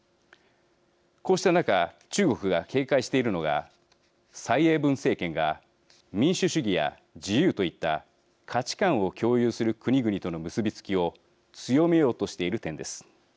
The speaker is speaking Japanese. こうした中中国が警戒しているのが蔡英文政権が民主主義や自由といった価値観を共有する国々との結び付きを強めようとしている点です。